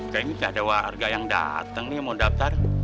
kayaknya nggak ada warga yang datang nih mau daftar